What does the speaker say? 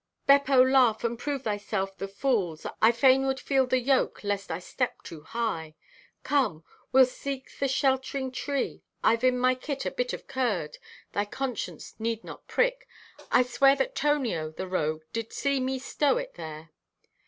"Beppo, laugh, and prove thyself the fool's! I fain would feel the yoke, lest I step too high. "Come, we'll seek the shelt'ring tree. I've in my kit a bit of curd. Thy conscience need not prick. I swear that Tonio, the rogue, did see me stow it there!